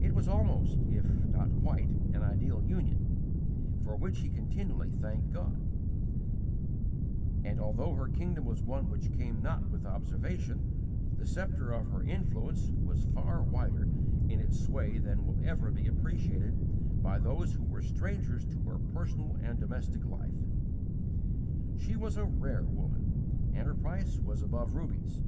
It was almost, if not quite, an ideal union, for which he continually thanked God; and, although her kingdom was one which came not with observation,' the sceptre of her influence was far wider in its sway than will ever be appreciated by those who were strangers to her personal and domestic life. She was a rare woman and her price was above rubies.